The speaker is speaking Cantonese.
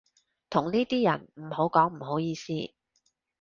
同呢啲人唔好講唔好意思